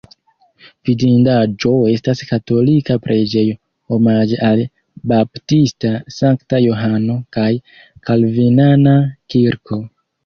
Vidindaĵo estas katolika preĝejo omaĝe al Baptista Sankta Johano kaj kalvinana kirko.